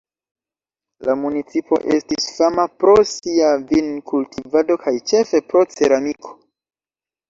La municipo estis fama pro sia vinkultivado kaj ĉefe pro ceramiko.